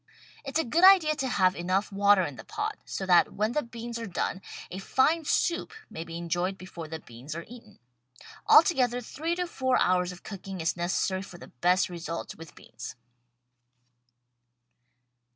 It's a good idea to have enough water in the pot so that when the beans are done a fine soup may be enjoyed before the beans are eaten. Altogether three to four hours of cooking is necessary for the best results with beans.